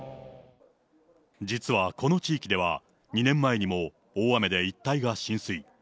実はこの地域では、２年前にも、大雨で一帯が浸水。